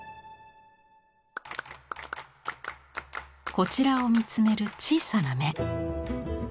こちらを見つめる小さな目。